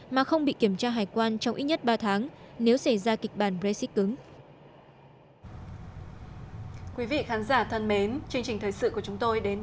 mà không bị kiểm tra hải quan trong ít nhất ba tháng nếu xảy ra kịch bản brexit cứng